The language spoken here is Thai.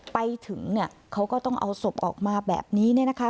ไปถึงเขาก็ต้องเอาศพออกมาแบบนี้นะคะ